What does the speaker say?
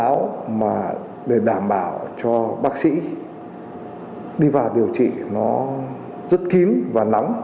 bộ quần áo để đảm bảo cho bác sĩ đi vào điều trị rất kín và nóng